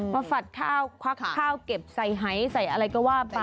ฝัดข้าวควักข้าวเก็บใส่หายใส่อะไรก็ว่าไป